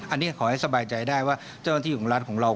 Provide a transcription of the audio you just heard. อันนี้ขอให้สบายใจได้ว่าเจ้าหน้าที่ของรัฐของเรา